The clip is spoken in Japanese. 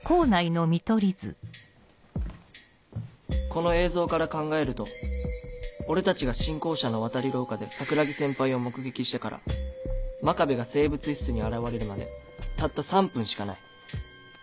この映像から考えると俺たちが新校舎の渡り廊下で桜樹先輩を目撃してから真壁が生物室に現れるまでたった３分しかない。